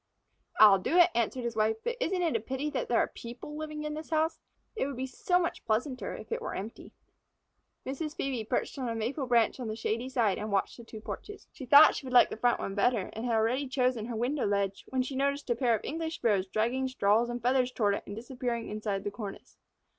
"I'll do it," answered his wife, "but isn't it a pity that there are people living in this house? It would be so much pleasanter if it were empty." Mrs. Phœbe perched on a maple branch on the shady side and watched two porches. She thought she would like the front one the better, and had already chosen her window ledge, when she noticed a pair of English Sparrows dragging straws and feathers toward it and disappearing inside the cornice.